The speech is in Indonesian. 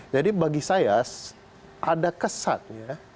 jadi bagi saya ada kesatnya